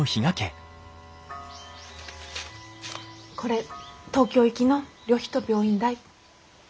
これ東京行きの旅費と病院代。